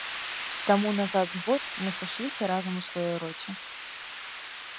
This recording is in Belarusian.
Таму назад з год мы сышліся разам у сваёй роце.